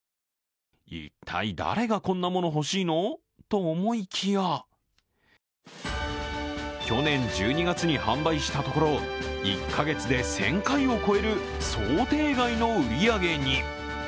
一体誰がこんなもの欲しいのと思いきや去年１２月に販売したところ１カ月に１０００回を超える想定外の売り上げに。